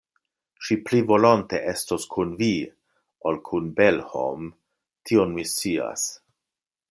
Ŝi pli volonte estos kun Vi ol kun Belhom, tion mi scias.